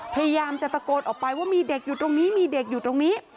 พยายามจะตะโกนออกไปว่ามีเด็กอยู่ตรงนี้มีเด็กอยู่ตรงนี้